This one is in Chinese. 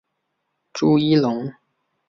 朱一龙